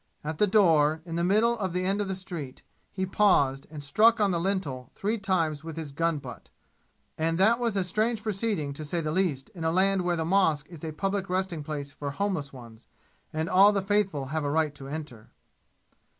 At the door, in the middle of the end of the street, he paused and struck on the lintel three times with his gun butt. And that was a strange proceeding, to say the least, in a land where the mosque is public resting place for homeless ones, and all the "faithful" have a right to enter.